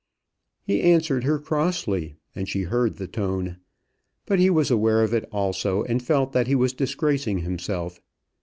He answered her crossly, and she heard the tone. But he was aware of it also, and felt that he was disgracing himself.